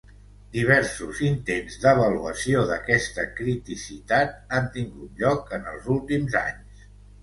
Diversos intents d'avaluació d'aquesta criticitat han tingut lloc en els últims anys.